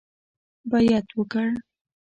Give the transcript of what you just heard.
بیعت وکړ.